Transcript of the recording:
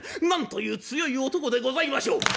なんという強い男でございましょう。